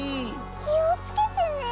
きをつけてね。